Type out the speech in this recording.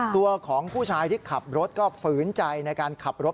ตัวของผู้ชายที่ขับรถก็ฝืนใจในการขับรถ